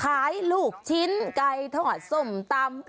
ลูกชิ้นไก่ทอดส้มตำ